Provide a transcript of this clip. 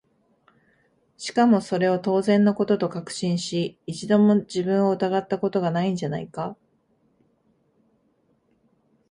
しかもそれを当然の事と確信し、一度も自分を疑った事が無いんじゃないか？